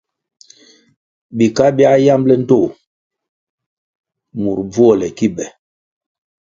Bika biā yambʼle ndtoh mur bvuole ki be.